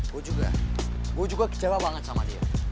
gue juga gue juga kecewa banget sama dia